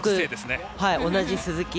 同じ「鈴木」